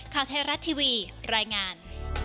ข้าวเทราะห์ทีวีรายงาน